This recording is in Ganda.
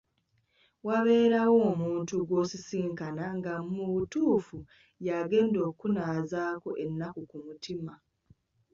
Wabeerawo omuntu gw’osisinkana nga mu butuufu y’agenda okukunaazaako ennaku ku mutima.